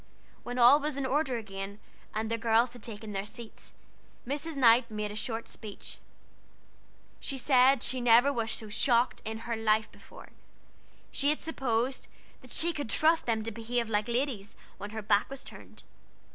When all was in order again, and the girls had taken their seats, Mrs. Knight made a short speech. She said she never was so shocked in her life before; she had supposed that she could trust them to behave like ladies when her back was turned.